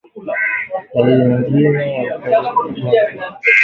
Dalili nyingine ya mapele ya ngozi kwa ngombe ni macho kutoa machozi